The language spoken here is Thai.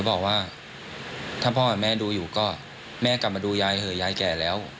บอกว่าถ้าพ่อกับแม่ดูอยู่ก็แม่กลับมาดูยายเถอะยายแก่แล้ว